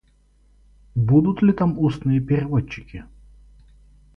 Будут ли там устные переводчики?